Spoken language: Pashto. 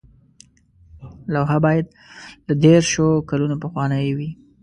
لوحه باید له دیرشو کلونو پخوانۍ وي.